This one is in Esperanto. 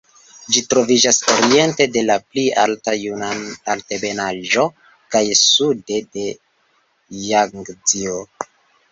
Ĝi troviĝas oriente de la pli alta Junan-Altebenaĵo kaj sude de Jangzio.